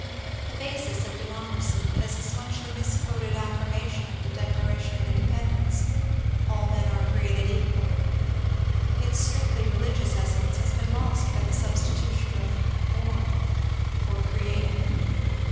The basis of democracy is the much misquoted af firmation of the Declaration of Independence —^' all men are created equal." Its strictly religious essence has been lost by the substitution of "bom" for "created."